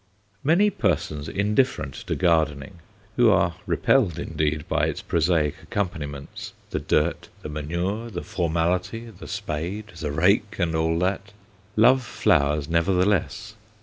Many persons indifferent to gardening who are repelled, indeed, by its prosaic accompaniments, the dirt, the manure, the formality, the spade, the rake, and all that love flowers nevertheless.